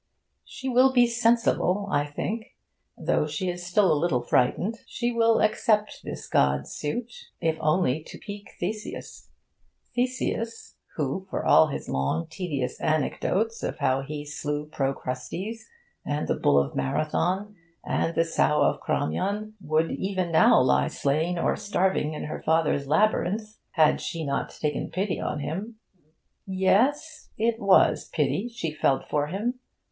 She will be sensible, I think, though she is still a little frightened. She will accept this god's suit, if only to pique Theseus Theseus, who, for all his long, tedious anecdotes of how he slew Procrustes and the bull of Marathon and the sow of Cromyon, would even now lie slain or starving in her father's labyrinth, had she not taken pity on him. Yes, it was pity she felt for him.